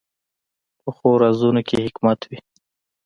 پخو رازونو کې حکمت وي